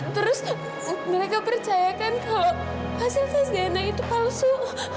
terus mereka percayakan kalau hasil tes dna itu palsu